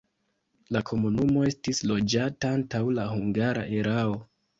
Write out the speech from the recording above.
La komunumo estis loĝata antaŭ la hungara erao.